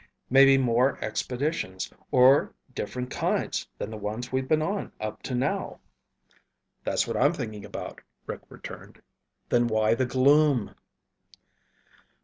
Maybe more expeditions, of different kinds than the ones we've been on up to now." "That's what I'm thinking about," Rick returned. "Then why the gloom?"